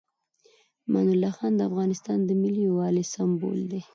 امان الله خان د افغانستان د ملي یووالي سمبول دی.